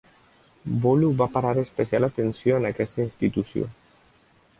Bholu va parar especial atenció en aquesta institució.